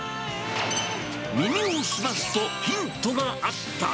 耳を澄ますとヒントがあった。